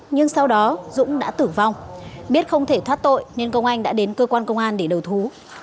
nhưng sau đó dũng đã tử vong biết không thể thoát tội nên công anh đã đến cơ quan công an để đầu thú